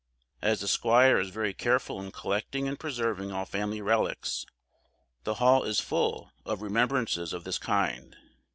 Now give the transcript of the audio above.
As the squire is very careful in collecting and preserving all family reliques, the Hall is full of remembrances of this kind.